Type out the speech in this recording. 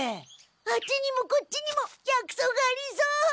あっちにもこっちにも薬草がありそう！